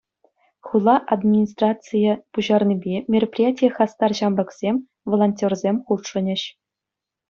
Хула администрацийӗ пуҫарнипе мероприятие хастар ҫамрӑксем, волонтерсем хутшӑнӗҫ.